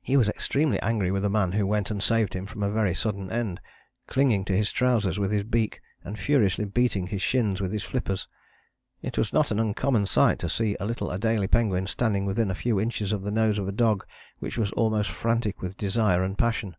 He was extremely angry with a man who went and saved him from a very sudden end, clinging to his trousers with his beak, and furiously beating his shins with his flippers. It was not an uncommon sight to see a little Adélie penguin standing within a few inches of the nose of a dog which was almost frantic with desire and passion.